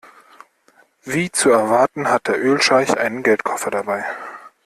Wie zu erwarten hat der Ölscheich einen Geldkoffer dabei.